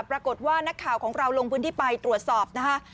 ปรากฏว่านักข่าวของเราลงพื้นที่ไปตรวจสอบนะคะ